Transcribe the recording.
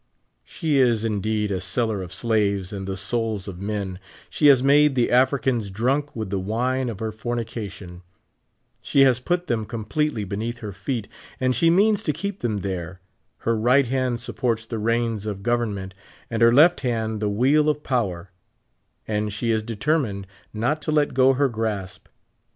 She is, indeed, a seller of slaves and the souls of men ; she has made the Africans drunk with the wine of her fornication ; she has put them completely beneath her feet, and she means to keep them there ; her right hand supports the reins of government and her left hand the wheel of power, and she is determined not to let go her grasp.